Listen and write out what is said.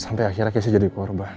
sampai akhirnya kesi jadi korban